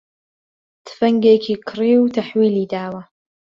تفەنگێکی کڕی و تەحویلی داوە